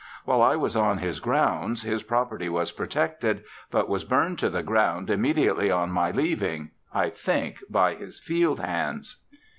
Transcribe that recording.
While I was on his grounds his property was protected, but was burned to the ground immediately on my leaving, I think, by his field hands.